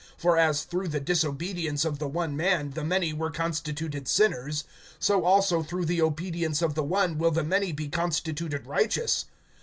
(19)For as through the disobedience of the one man the many were constituted sinners, so also through the obedience of the one will the many be constituted righteous.